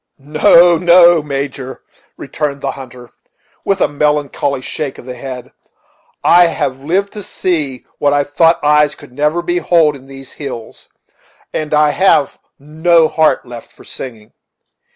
"No, no, Major," returned the hunter, with a melancholy shake of the head, "I have lived to see what I thought eyes could never behold in these hills, and I have no heart left for singing.